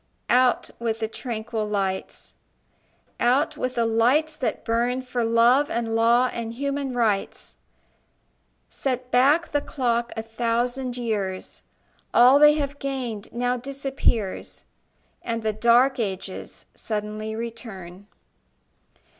Out with the tranquil lights, Out with the lights that burn For love and law and human rights! Set back the clock a thousand years: All they have gained now disappears, And the dark ages suddenly return.